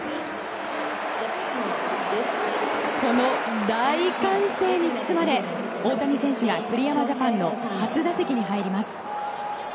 この大歓声に包まれ大谷選手が栗山ジャパンの初打席に入ります。